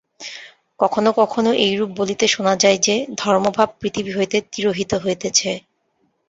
কখনও কখনও এইরূপ বলিতে শোনা যায় যে, ধর্মভাব পৃথিবী হইতে তিরোহিত হইতেছে।